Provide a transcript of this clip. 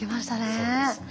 そうですね。